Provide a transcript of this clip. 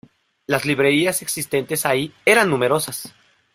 Las librerías existentes ahí eran numerosas.